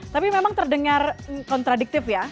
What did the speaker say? tapi memang terdengar kontradiktif ya